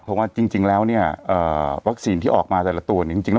เพราะว่าจริงแล้ววัคซีนที่ออกมาแต่ละตัวนี้